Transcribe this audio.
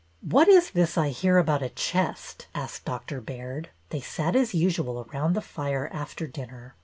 "What is this I hear about a chest?" asked Dr. Baird. They sat as usual around the fire after dinner.